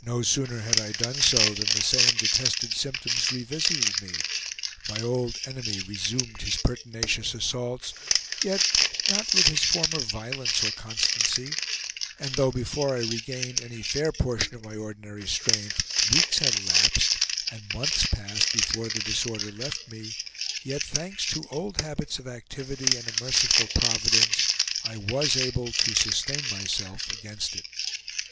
No sooner had I done so than the same detested symptoms revisited me; my old enemy resumed his pertinacious assaults, yet not with his former violence or constancy, and though before I regained any fair portion of my ordinary strength weeks had elapsed, and months passed before the disorder left me, yet thanks to old habits of activity, and a merciful Providence, I was able to sustain myself against it.